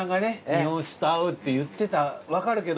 日本酒と合うって言ってたのわかるけど。